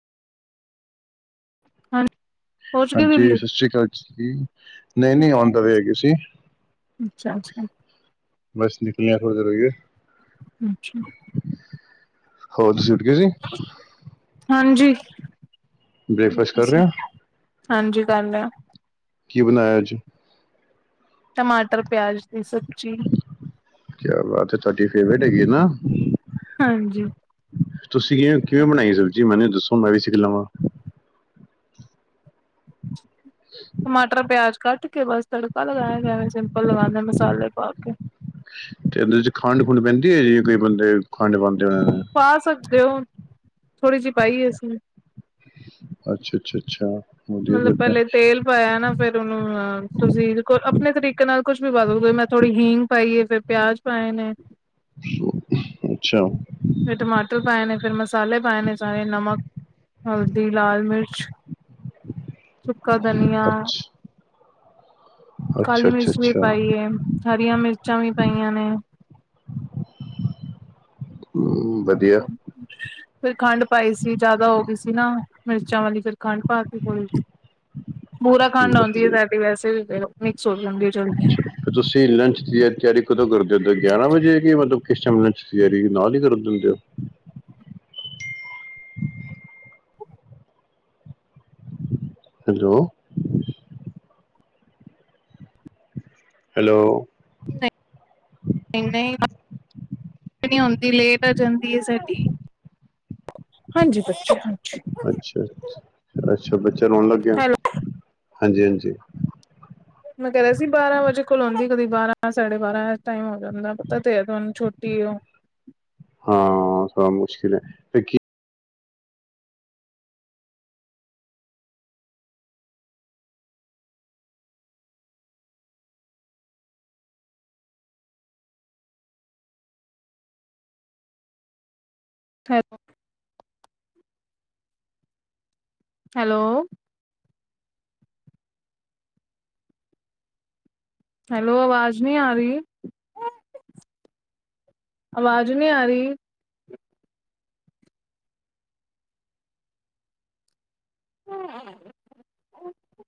ਹਾਂ ਪਹੁੰਚ ਗਏ ਹਾਂਜੀ ਦਿੱਲੀ ਸਤਿ ਸ਼੍ਰੀ ਅਕਾਲ ਜੀ ਨਹੀਂ ਨਹੀਂ ਅੱਛਾ ਆਓਨ ਦਾ ਵਏ ਹੈਗੇ ਸੀ ਅੱਛਾ ਅੱਛਾ ਬਸ ਨਿਕਲਣੇ ਆ ਥੋਹੜੀ ਦੇਰ ਹੋਗੀ ਏ [inaudible] ਅੱਛਾ ਹੋਰ ਤੁਸੀਂ ਉੱਠ ਗਏ ਸੀ ਹਾਂਜੀ ਬ੍ਰੇਕਫਾਸਟ ਕਰ ਰਹੇ ਹੋ ਹਾਂਜੀ ਕਰ ਲਿਆ ਕੀ ਬਣਾਇਆ ਅੱਜ ਟਮਾਟਰ ਪਿਆਜ ਦੀ ਸਬਜ਼ੀ ਕਿਆ ਬਾਤ ਹੈ। ਤੁਹਾਡੀ ਫੇਵਰੇਟ ਹੈਗੀ ਨਾ। ਹਾਂਜੀ। ਤੁਸੀਂ ਕਿਵੇਂ ਕਿਵੇਂ ਬਣਾਈ ਹੈ। ਸਬਜ਼ੀ ਮੈਨੂੰ ਦੱਸਦੋ ਮੈਂ ਵੀ ਸਿੱਖ ਲਵਾਂ। ਟਮਾਟਰ, ਪਿਆਜ਼ ਕੱਟ ਕੇ ਬਸ ਤੜਕਾ ਲਗਾਇਆ ਇਵੇਂ ਸਿੰਪਲ ਲਗਾਉਣਾ ਮਸਾਲੇ ਪਾ ਕੇ। ਤੇ ਉਹਦੇ 'ਚ ਖੰਡ ਖੁੰਡ ਪੈਂਦੀ ਹੈ ਜੀ ਕੋਈ ਬੰਦੇ ਖੰਡ ਪਾਉਂਦੇ। ਹੋਣੇ ਨੇ ਪਾ ਸਕਦੇ ਹੋ ਥੋੜ੍ਹੀ ਜਿਹੀ ਪਾਈਏ ਅਸੀਂ ਵੀ। ਅੱਛਾ ਅੱਛਾ ਅੱਛਾ ਵਧੀਆ ਮਤਲਬ ਕੀਤਾ ਪਹਿਲੇ ਹੈ। ਤੇਲ ਪਾਇਆ ਨਾ ਫੇਰ ਉਹਨੂੰ ਤੁਸੀਂ ਦੇਖੋਂ ਆਪਣੇ ਤਰੀਕੇ ਨਾਲ ਕੁੱਛ ਵੀ ਪਾ ਦੋ ਫੇਰ ਮੈਂ ਥੋੜ੍ਹੀ ਹੀਂਗ ਪਾਈਏ ਫੇਰ ਪਿਆਜ਼। ਪਾਏ ਨੇ। ਅੱਛਾ। ਫਿਰ ਟਮਾਟਰ ਪਾਏ ਨੇ ਫਿਰ ਮਸਾਲੇ ਪਾਏ ਨੇ ਸਾਰੇ ਨਮਕ ਹਲਦੀ ਲਾਲ ਮਿਰਚ ਸੁੱਕਾ ਧਨੀਆਂ ਅੱਛਾ ਕਾਲੀ ਅੱਛਾ ਮਿਰਚ ਵੀ ਅੱਛਾ ਪਾਈਏ ਹਰੀਆਂ ਮਿਰਚਾਂ ਵੀ ਪਾਈਆਂ ਨੇ [inaudible] ਫਿਰ ਖੰਡ ਪਾਈ ਸੀ ਜਿਆਦਾ ਹੋ ਗਈ ਸੀ ਨਾ ਮਿਰਚਾਂ ਵਾਲੀ ਫਿਰ ਖੰਡ ਪਾਤੀ ਕੇ ਕੋਈ ਬੁਰਾ ਬਹੁਤ ਖੰਡ ਆਉਂਦੀ ਹੈ ਵਧੀਆ ਸਾਡੀ ਵੈਸੇ ਵੀ ਮਿਕਸ ਹੋ ਜਾਂਦੀ ਹੈ ਅੱਛਾ ਤੁਸੀਂ ਲੰਚ ਦੀ ਤਿਆਰੀ ਕਦੋਂ ਕਰ ਦੇ ਹੁੰਦੇ ਗਿਆਰਾਂ ਵਜੇ ਕਿ ਮਤਲਬ ਕਿਸ ਟਾਈਮ ਚ ਤਿਆਰੀ ਨਾਲ ਹੀ ਕਰ ਦਿੰਦੇ ਹੋ [inaudible] ਹੈਲੋ ਹੈਲੋ ਨਹੀਂ ਆਉਦੀ ਲੇਟ ਆ ਜਾਂਦੀ ਹੈ ਸਾਡੀ ਹਾਂਜੀ ਬੱਚਾ। ਅੱਛਾ, ਅੱਛਾ ਬੱਚਾ ਰੋਣ ਲੱਗਿਆ ਹੈਲੋ ਹਾਂਜੀ ਹਾਂਜੀ। ਮੈਂ ਕਹਿ ਰਿਹਾ ਸੀ ਬਾਰਾਂ ਵਜੇ ਕੋਲ ਆਉਂਦੀ ਕਦੀ ਬਾਰਾਂ ਸਾਢੇ ਬਾਰਾਂ ਟਾਈਮ ਹੋ ਜਾਂਦਾ ਪਤਾ ਤੇ ਹੈ ਤੁਹਾਨੂੰ ਛੋਟੀ ਉਹ। ਹਾਂ ਸਾਲਾ ਮੁਸ਼ਕਿਲ ਹੈ ਤੇ ਕੀ। ਫੇਰ। [unintelligible] ਹੈਲੋ। ਹੈਲੋ, ਆਵਾਜ਼ ਨਹੀਂ ਆ ਰਹੀ। ਆਵਾਜ਼ ਨਹੀਂ ਆ ਰਹੀ। ਹੂੰ।